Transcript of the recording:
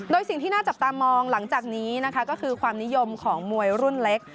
โดยสิ่งที่น่าจับตามองหลังจากนี้นะคะก็คือความนิยมของมวยรุ่นเล็ก